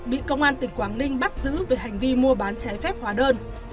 bị công an tỉnh quảng ninh bắt giữ về hành vi mua bán trái phép hóa đơn